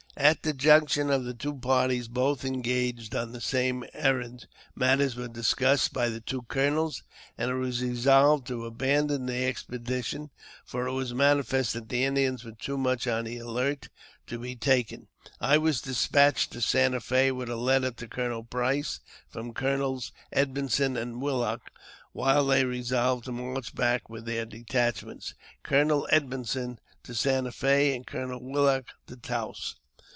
At the junction of the two parties, both engaged on the same errand, matters were discussed by the two colonels, and it was resolved to abandon the expedition, for it was manifest that the Indians were too much on the alert to be taken. I was despatched to Santa Fe with a letter to Colonel Price from Colonels Edmondson and Willock, while they resolved to march back with their detachments, Colonel Edmondson to Santa Fe, and Colonel Willock to Taos.